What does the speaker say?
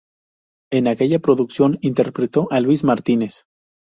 En aquella producción interpretó a Luis Martínez.